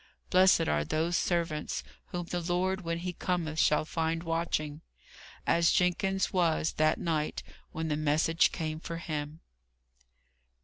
"Blessed are those servants, whom the Lord when He cometh shall find watching." As Jenkins was, that night, when the message came for him.